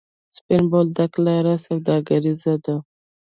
سپین بولدک لاره سوداګریزه ده؟